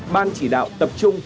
ban chỉ đạo tập trung